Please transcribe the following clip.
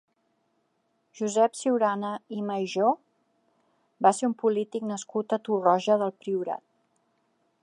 Josep Ciurana i Maijó va ser un polític nascut a Torroja del Priorat.